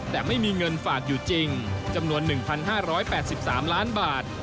แต่ไม่มีเงินฝากอยู่จริงจำนวน๑๕๘๓ล้านบาท